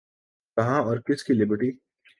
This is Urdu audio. کہاں اور کس کی لبرٹی؟